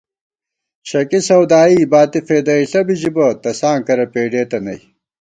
شَکی سَودائی باتی فېدَئیݪہ بی ژِبہ تساں کرہ پېڈېتہ نئ